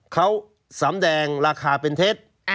เขาสำแดงราคาเป็นเท็จ